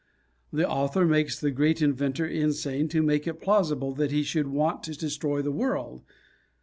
The author makes the great inventor insane to make it plausible that he should want to destroy the World.